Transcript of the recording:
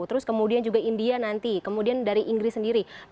terus kemudian juga india nanti kemudian dari inggris sendiri